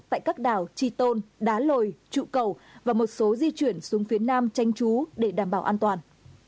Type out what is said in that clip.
tại các đảo chi tôn đá lồi trụ cầu và một số di chuyển xuống phía nam tranh trú để đảm bảo an toàn